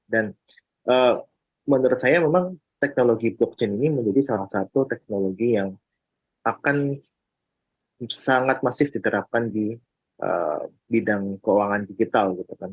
dan menurut saya memang teknologi blockchain ini menjadi salah satu teknologi yang akan sangat masif diterapkan di bidang keuangan digital gitu kan